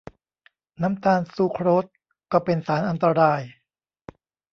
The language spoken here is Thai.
น้ำตาลซูโครสก็เป็นสารอันตราย